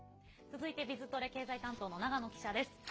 続いて「Ｂｉｚトレ」経済担当の長野記者です。